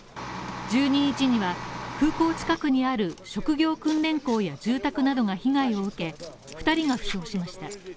１２日は、空港近くにある職業訓練校や住宅などが被害を受け２人が負傷しました。